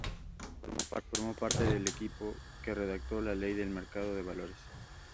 Formó parte del equipo que redactó la ley de Mercado de Valores.